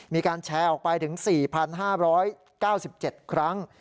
มีการแชร์ออกไปถึง๔๕๙๗ครั้ง